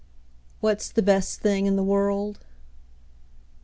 What's the best thing in the world?